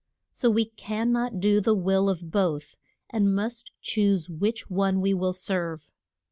So we can not do the will of both, and must choose which one we will serve.